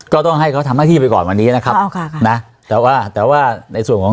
ก็ต้องให้เขาทำหน้าที่ไปก่อนวันนี้นะครับแต่ว่าในส่วนของ